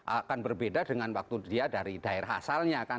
akan berbeda dengan waktu dia dari daerah asalnya kan